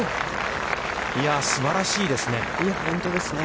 すばらしいですね。